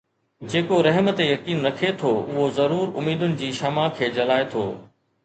جيڪو رحم تي يقين رکي ٿو، اهو ضرور اميدن جي شمع کي جلائي ٿو